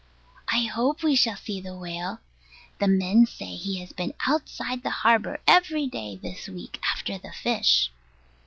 I hope we shall see the whale. The men say he has been outside the harbour every day this week after the fish.